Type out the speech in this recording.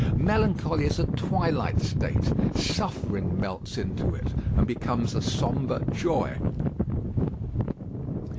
Melancholy is a twilight state; suffering melts into it and becomes a sombre joy.